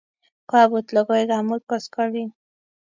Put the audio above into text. Kwaput logoek amut koskoling'